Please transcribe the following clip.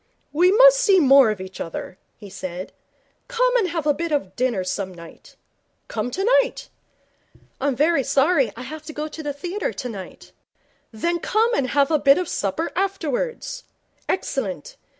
'We must see more of each other,' he said. 'Come and have a bit of dinner some night. Come tonight.' 'I'm very sorry. I have to go to the theatre tonight.' 'Then come and have a bit of supper afterwards. Excellent.